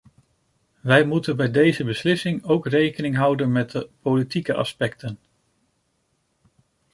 Wij moeten bij deze beslissing ook rekening houden met de politieke aspecten.